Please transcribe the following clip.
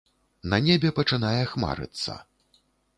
На небе пачынае хмарыцца.